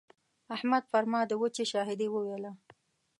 احمد پر ما د وچې شاهدي وويله.